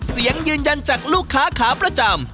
ยืนยันจากลูกค้าขาประจำ